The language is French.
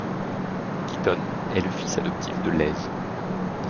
Quiton est le fils adoptif de Lez.